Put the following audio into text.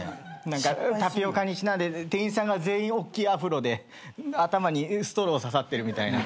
何かタピオカにちなんで店員さんが全員おっきいアフロで頭にストロー刺さってるみたいな。